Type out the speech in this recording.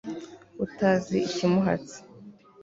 utazi ikimuhatse